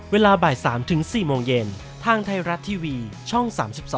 เวลาบ่าย๓๔โมงเย็นทางไทยรัฐทีวีช่อง๓๒